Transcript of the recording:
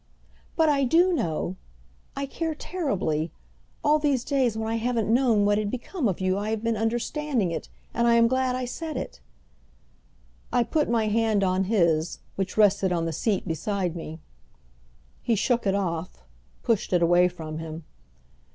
"But I do know! I care terribly. All these days when I haven't known what had become of you I have been understanding it, and I am glad I said it," I put my hand on his, which rested on the seat beside me. He shook it off, pushed it away from him.